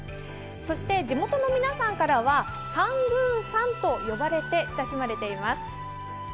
そして地元の皆さんからは三宮さんと呼ばれて親しまれています。